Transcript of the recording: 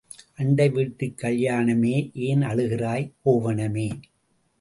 அண்டை வீட்டுக் கல்யாணமே, ஏன் அழுகிறாய் கோவணமே?